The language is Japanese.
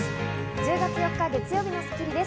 １０月４日、月曜日の『スッキリ』です。